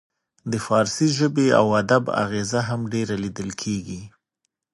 د فارسي ژبې او ادب اغیزه هم ډیره لیدل کیږي